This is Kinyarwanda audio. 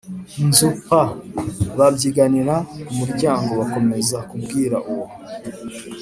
nzu p babyiganira ku muryango bakomeza kubwira uwo